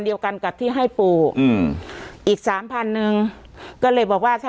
เดียวกันกับที่ให้ปู่อืมอีกสามพันหนึ่งก็เลยบอกว่าถ้า